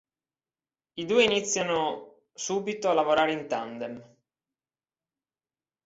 I due iniziano subito a lavorare in tandem.